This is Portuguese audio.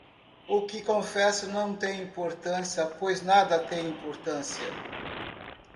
O que confesso não tem importância, pois nada tem importância.